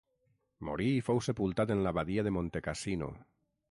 Morí i fou sepultat en l'Abadia de Montecassino.